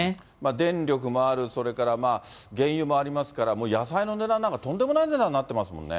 電力もある、それから原油もありますから、もう野菜の値段なんかとんでもない値段になってますもんね。